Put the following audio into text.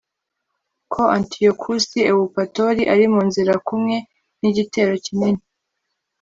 ko antiyokusi ewupatori ari mu nzira kumwe n'igitero kinini